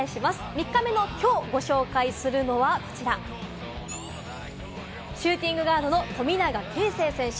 ３日目のきょう、ご紹介するのはこちら、シューティングガードの富永啓生選手。